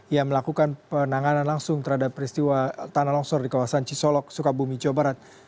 yang melakukan penanganan langsung terhadap peristiwa tanah longsor di kawasan cisolok sukabumi jawa barat